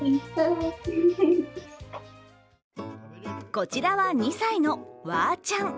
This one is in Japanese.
こちらは、２歳のわーちゃん。